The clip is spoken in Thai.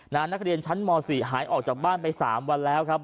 นักเรียนชั้นม๔หายออกจากบ้านไป๓วันแล้วครับ